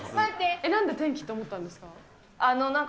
なんで天気って思ったんですか？